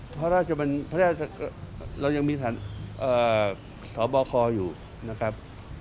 พระราชบัญญัติเรายังมีศาสตร์สอบบอกคออยู่นะครับ